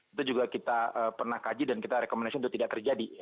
itu juga kita pernah kaji dan kita rekomendasi untuk tidak terjadi